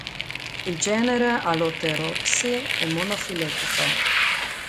Il genere "Alloteropsi" è monofiletico.